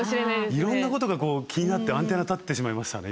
いろんなことが気になってアンテナ立ってしまいましたね